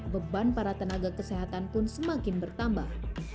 beban para tenaga kesehatan pun semakin bertambah